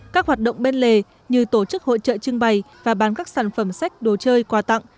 các hoạt động bên lề như tổ chức hội trợ trưng bày và bán các sản phẩm sách đồ chơi quà tặng